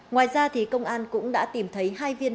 ngoài ra thì công an cũng đã tìm thấy hai viên đạn ở hiện trường